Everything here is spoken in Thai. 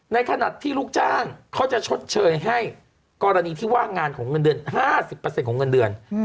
ในขณะที่ลูกจ้างเขาจะชดเชยให้กรณีที่ว่างงานของเงินเดือน๕๐ของเงินเดือน